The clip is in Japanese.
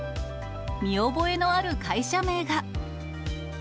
見覚えのある会社名が。